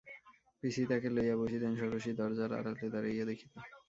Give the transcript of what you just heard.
পিসি তাকে লইয়া বসিতেন, ষোড়শী দরজার আড়ালে দাঁড়াইয়া দেখিত।